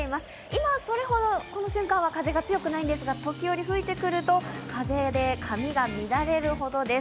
今それほどこの瞬間は風が強くないんですが時折吹いてくると風で髪が乱れるほどです。